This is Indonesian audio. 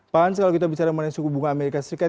pak hans kalau kita bicara mengenai suku bunga amerika serikat